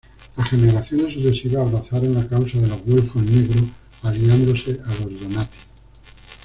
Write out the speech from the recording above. Las generaciones sucesivas abrazaron la causa de los "güelfos negros" aliándose a los Donati.